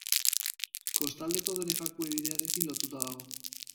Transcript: Kostaldeko Donejakue bidearekin lotuta dago.